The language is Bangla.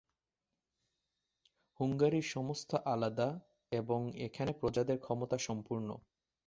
হুঙ্গারীর সমস্ত আলাদা, এবং এখানে প্রজাদের ক্ষমতা সম্পূর্ণ।